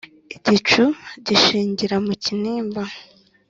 Igicu gishingira mu Kinimba